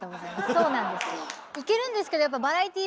そうなんですよ。